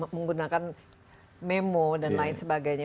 menggunakan memo dan lain sebagainya